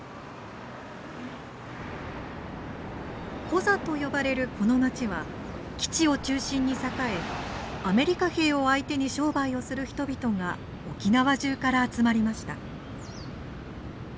コザと呼ばれるこの町は基地を中心に栄えアメリカ兵を相手に商売をする人々が沖縄中から集まりました。